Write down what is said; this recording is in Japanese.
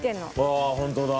ああホントだ。